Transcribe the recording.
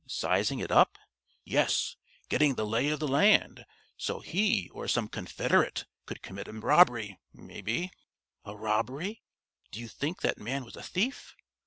"Sizing it up?" "Yes. Getting the lay of the land, so he or some confederate could commit a robbery, maybe." "A robbery? Do you think that man was a thief?"